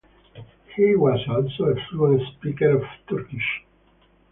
He was also a fluent speaker of Turkish.